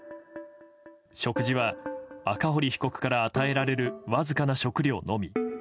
食事は赤堀被告から与えられるわずかな食料のみ。